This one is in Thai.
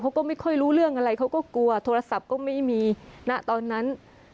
เขาก็ไม่ค่อยรู้เรื่องอะไรเขาก็กลัวโทรศัพท์ก็ไม่มีณตอนนั้น